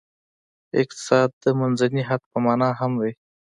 اقتصاد د منځني حد په معنا هم دی.